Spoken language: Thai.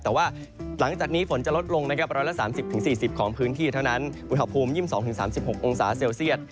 แต่ว่าหลังจากนี้ฝนจะลดลงนะครับ๑๓๐๔๐ของพื้นที่เท่านั้นอุณหภูมิ๒๒๓๖องศาเซลเซียต